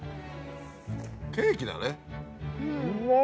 ケーキだね。